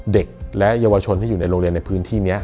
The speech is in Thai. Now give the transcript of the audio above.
เด็กและเยาวชนที่อยู่ในโรงเรียนในพื้นที่นี้